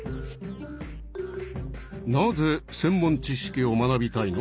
なぜ専門知識を学びたいの？